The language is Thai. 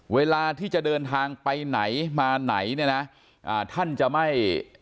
เวลาที่จะเดินทางไปไหนมาไหนเนี่ยนะอ่าท่านจะไม่